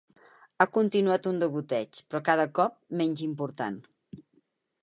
Ha continuat un degoteig, però cada cop menys important.